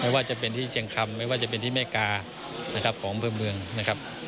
ว่าจะเป็นที่เชียงคำไม่ว่าจะเป็นที่แม่กานะครับของอำเภอเมืองนะครับ